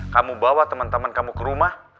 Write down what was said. kamu bawa temen temen kamu ke rumah